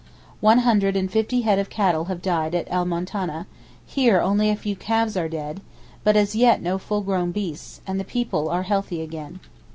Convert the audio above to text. One hundred and fifty head of cattle have died at El Moutaneh; here only a few calves are dead, but as yet no full grown beasts, and the people are healthy again.